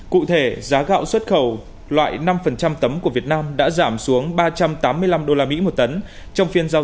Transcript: cụ thể giá gạo xuất khẩu loại năm tấm của việt nam đã giảm xuống ba trăm tám mươi năm usd một tấn trong phiên giao